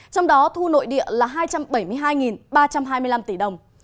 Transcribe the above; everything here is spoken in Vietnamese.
trong đó thu nội địa là hai trăm bảy mươi hai ba trăm hai mươi năm tỷ đồng